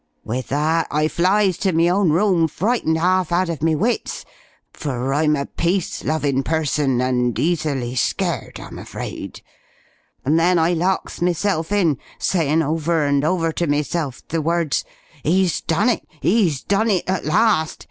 With that I flies to me own room, frightened half out of me wits for I'm a peace lovin' person, and easily scared, I'm afraid and then I locks meself in, sayin' over and over to meself the words, 'He's done it! He's done it at last!